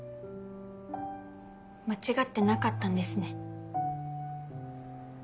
間違ってなかったんですね。